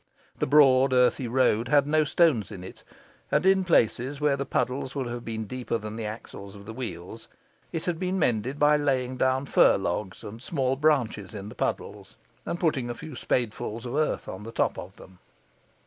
The broad earthy road had no stones in it; and in places where the puddles would have been deeper than the axles of the wheels, it had been mended by laying down fir logs and small branches in the puddles, and putting a few spadefuls of earth on the top of them.